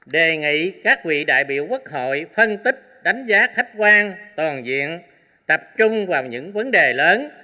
đề nghị các vị đại biểu quốc hội phân tích đánh giá khách quan toàn diện tập trung vào những vấn đề lớn